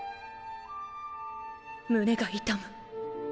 胸が痛む。